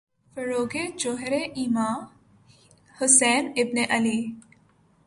فروغِ جوہرِ ایماں، حسین ابنِ علی